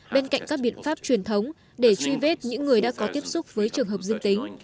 bên cạnh các biện pháp truyền thống để truy vết những người đã có tiếp xúc với trường hợp dương tính